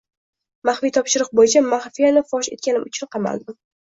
«Maxfiy topshiriq bo‘yicha mafiyani fosh etganim uchun qamaldim»